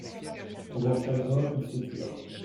Pour un chagrin, il se tua.